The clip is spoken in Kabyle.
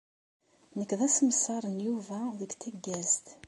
Nekk d aṣemṣar n Yuba deg taggazt.